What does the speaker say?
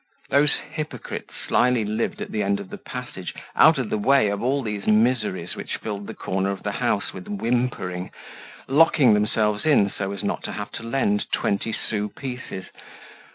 Those hypocrites slyly lived at the end of the passage, out of the way of all these miseries which filled the corner of the house with whimpering, locking themselves in so as not to have to lend twenty sou pieces.